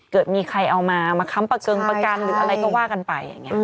เกิดมีใครเอามามาค้ำปะเกิงปะกันหรืออะไรก็ว่ากันไป